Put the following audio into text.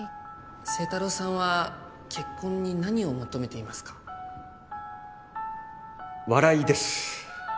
清太郎さんは結婚に何を求めています笑いです。